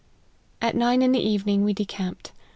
At nine in the evening we decamped.